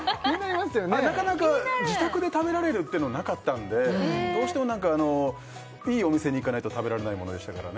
なかなか自宅で食べられるってのなかったんでどうしてもいいお店に行かないと食べられないものでしたからね